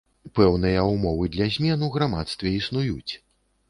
Пэўныя ўмовы для змен у грамадстве існуюць.